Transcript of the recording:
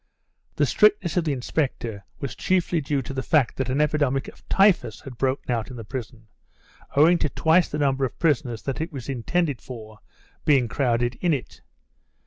The strictness of the inspector was chiefly due to the fact that an epidemic of typhus had broken out in the prison, owing to twice the number of persons that it was intended for being crowded in it.